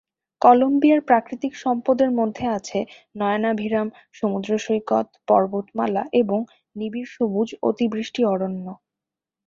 কলম্বিয়ার প্রাকৃতিক সম্পদের মধ্যে আছে নয়নাভিরাম সমুদ্র সৈকত, পর্বতমালা এবং নিবিড় সবুজ অতিবৃষ্টি অরণ্য।